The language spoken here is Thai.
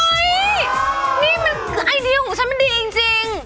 นี่มันไอเดียของฉันมันดีจริง